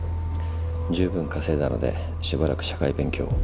十分稼いだのでしばらく社会勉強を。